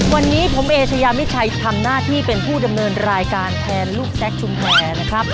วันนี้ผมเอเชยามิชัยทำหน้าที่เป็นผู้ดำเนินรายการแทนลูกแซคชุมแพรนะครับ